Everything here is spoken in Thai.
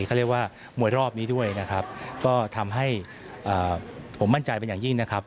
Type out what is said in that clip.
เขาเรียกว่ามวยรอบนี้ด้วยนะครับก็ทำให้ผมมั่นใจเป็นอย่างยิ่งนะครับ